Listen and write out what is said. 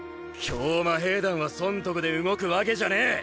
教魔兵団は損得で動くわけじゃねえ！